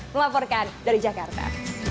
melaporkan dari jakarta